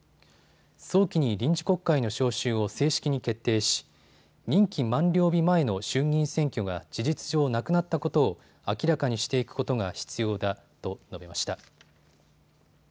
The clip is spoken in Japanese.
早期に臨時国会の召集を正式に決定し任期満了日前の衆議院選挙が事実上、なくなったことを明らかにしていくことが必要だと述べました。